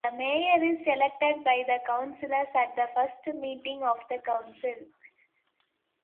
The Mayor is elected by the Councillors at the first meeting of the Council.